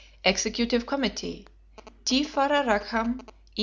Executive Committee. T. Farrar Rackham, E.